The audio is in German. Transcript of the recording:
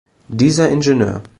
Dieser Ing.